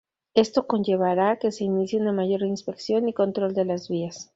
Esto conllevará que se inicie una mayor inspección y control de las vías.